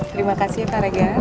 terima kasih pak regar